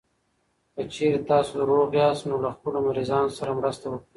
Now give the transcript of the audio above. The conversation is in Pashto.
که چېرې تاسو روغ یاست، نو له خپلو مريضانو سره مرسته وکړئ.